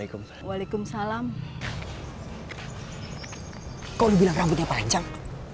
kok lu bilang rambutnya panjang